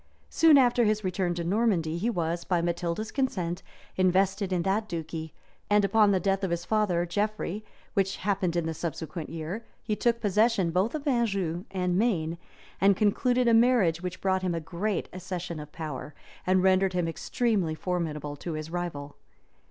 {1150.} Soon after his return to Normandy, he was, by Matilda's consent, invested in that duchy, and upon the death of his father Geoffrey, which happened in the subsequent year, he took possession both of Anjou and Maine, and concluded a marriage which brought him a great accession of power, and rendered him extremely formidable to his rival.